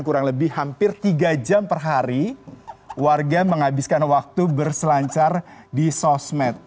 kurang lebih hampir tiga jam per hari warga menghabiskan waktu berselancar di sosmed